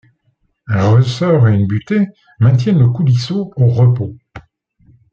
Un ressort et une butée maintiennent le coulisseau au repos.